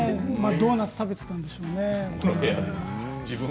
ドーナツを食べていたんでしょうね。